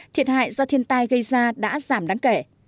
thiệt hại do thiên tai gây ra đã giảm đáng kể